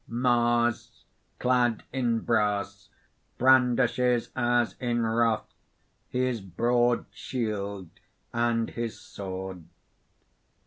_ _Mars, clad in brass, brandishes as in wrath his broad shield and his sword.